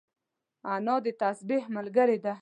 انا د تسبيح ملګرې ده